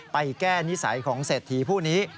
ไปแก้ภรษาของเสถีผู้นี้